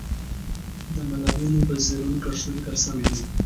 د ملالۍ نوم په زرینو کرښو لیکل سوی وو.